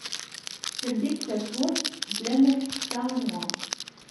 Teldi-d tawwurt bla ma testeqsa anwa.